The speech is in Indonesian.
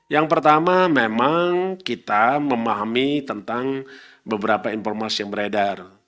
yang pertama memang kita memahami tentang beberapa informasi yang beredar